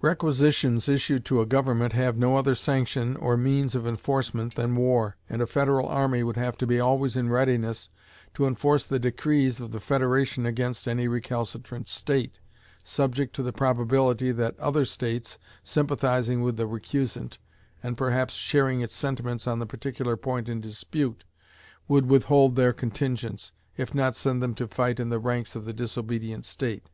Requisitions issued to a government have no other sanction or means of enforcement than war, and a federal army would have to be always in readiness to enforce the decrees of the federation against any recalcitrant state, subject to the probability that other states, sympathizing with the recusant, and perhaps sharing its sentiments on the particular point in dispute, would withhold their contingents, if not send them to fight in the ranks of the disobedient State.